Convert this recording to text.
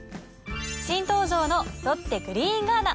新登場のロッテグリーンガーナ。